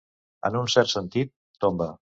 En un cert sentit, tomba.